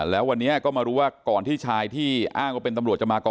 แล้ววันนี้ก็มารู้ว่าก่อนที่ชายที่อ้างว่าเป็นตำรวจจะมาก่อ